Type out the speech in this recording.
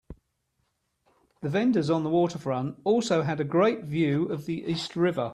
The vendors on the waterfront also have a great view of the East River.